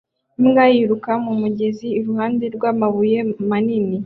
Imbwa yiruka mu mugezi iruhande rw'amabuye manini